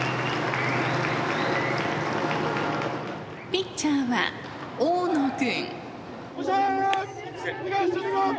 「ピッチャーは大野君」。